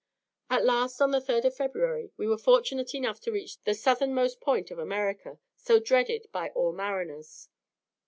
At last, on the 3rd of February, we were fortunate enough to reach the southernmost point of America, so dreaded by all mariners.